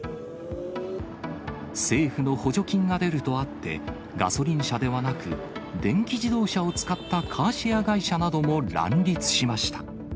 政府の補助金が出るとあって、ガソリン車ではなく、電気自動車を使ったカーシェア会社なども乱立しました。